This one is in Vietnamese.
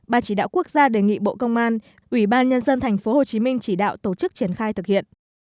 ban chỉ đạo quốc gia đề nghị bộ công an ủy ban nhân dân tp hcm chỉ đạo tổ chức triển khai thực hiện